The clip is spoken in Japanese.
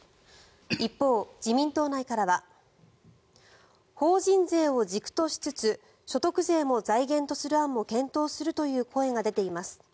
一方、自民党内からは法人税を軸としつつ所得税も財源とする案も検討するという声が出ています。